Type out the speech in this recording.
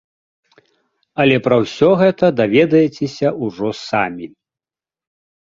Але пра ўсё гэта даведаецеся ўжо самі!